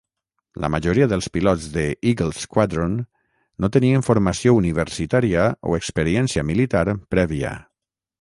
La majoria dels pilots de Eagle Squadron no tenien formació universitària o experiència militar prèvia.